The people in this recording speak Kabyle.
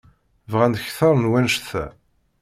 Bɣant kter n wannect-a.